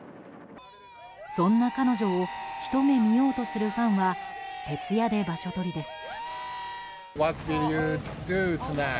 そんな彼女をひと目見ようとするファンは徹夜で場所取りです。